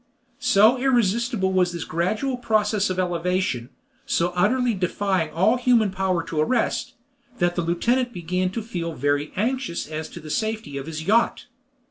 So irresistible was this gradual process of elevation, so utterly defying all human power to arrest, that the lieutenant began to feel very anxious as to the safety of his yacht.